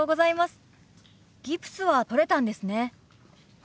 ギプスは取れたんですね。